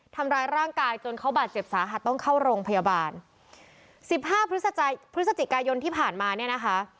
ทำร้ายร่างกายจนเขาบาดเจ็บสาหัสต้องเข้าโรงพยาบาลสิบห้าพฤศจิกายนที่ผ่านมาเนี่ยนะคะ